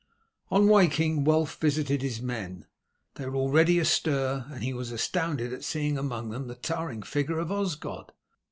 On waking, Wulf visited his men. They were already astir, and he was astounded at seeing among them the towering figure of Osgod.